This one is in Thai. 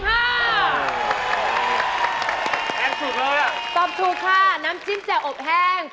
แพงกว่าแพงกว่าแพงกว่า